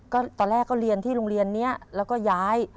ก็ตอนแรกก็เรียนที่โรงเรียนนี้แล้วก็ย้าย